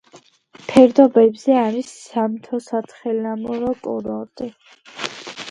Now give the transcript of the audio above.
ფერდობებზე არის სამთო-სათხილამურო კურორტი.